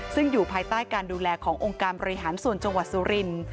ซึ่งอยู่ภายใต้การดูแลขององค์การบริหารส่วนจังหวัดสุรินทร์